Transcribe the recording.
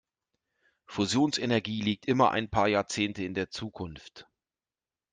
Fusionsenergie liegt immer ein paar Jahrzehnte in der Zukunft.